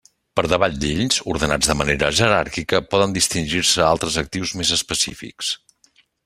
Per davall d'ells, ordenats de manera jeràrquica, poden distingir-se altres actius més específics.